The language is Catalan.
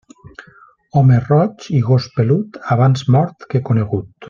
Home roig i gos pelut, abans mort que conegut.